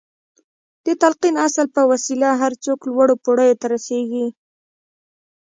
د تلقين اصل په وسيله هر څوک لوړو پوړيو ته رسېږي.